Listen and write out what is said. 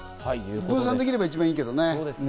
分散できれば一番いいけどね。